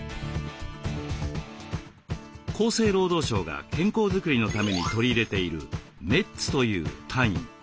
厚生労働省が健康づくりのために取り入れている「メッツ」という単位。